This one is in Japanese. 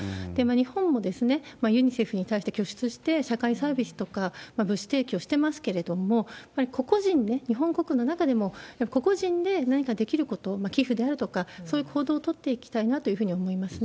日本もユニセフに対して拠出して、社会サービスとか物資提供していますけれども、やはり個々人で、日本国の中でも個々人で何かできること、寄付であるとか、そういう行動を取っていきたいなというふうには思いますね。